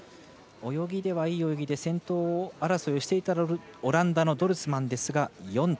泳ぎではいい泳ぎで先頭争いをしていたオランダのドルスマンですが４着。